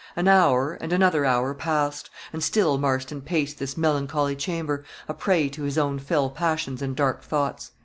An hour, and another hour passed and still Marston paced this melancholy chamber, a prey to his own fell passions and dark thoughts.